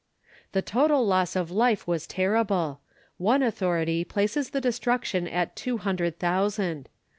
The total loss of life was terrible. One authority places the destruction at two hundred thousand.